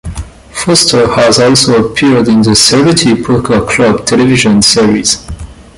Foster has also appeared in the "Celebrity Poker Club" television series.